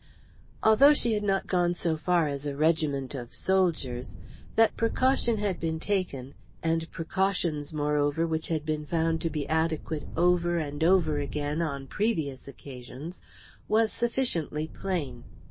Although she had not gone so far as a regiment of soldiers, that precaution had been taken and precautions, moreover, which had been found to be adequate, over and over again, on previous occasions was sufficiently plain.